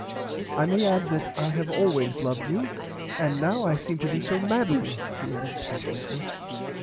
I may add that I have always loved you and now I seem to do so madly he added passionately.